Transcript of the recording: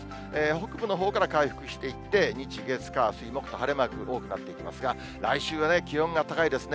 北部のほうから回復していって、日、月、火、水と、晴れマーク多くなってきますが、来週はね、気温が高いですね。